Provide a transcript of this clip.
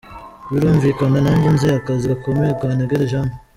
Birumvikana nanjye nzi akazi gakomeye kantegereje hano.